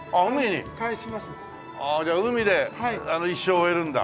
じゃあ海で一生を終えるんだ。